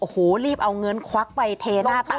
โอ้โหรีบเอาเงินควักไปเทหน้าตา